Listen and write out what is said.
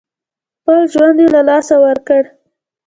خپل ژوند یې له لاسه ورکړ.